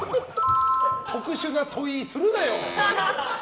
特殊な問いするなよ！